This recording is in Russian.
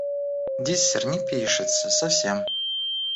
Диссер не пишется, совсем.